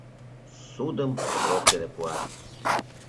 — Ссудым срок дене пуат.